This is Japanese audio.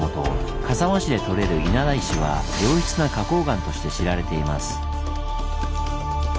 笠間市でとれる稲田石は良質な花こう岩として知られています。